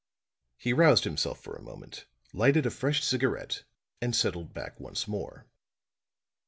He roused himself for a moment, lighted a fresh cigarette and settled back once more.